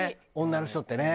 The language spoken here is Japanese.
女の人ってね。